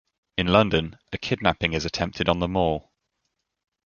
In London, a kidnapping is attempted on the Mall.